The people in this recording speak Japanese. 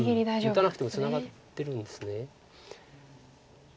打たなくてもツナがってるんです。